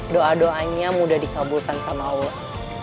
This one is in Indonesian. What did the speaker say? doa doanya mudah dikabulkan sama allah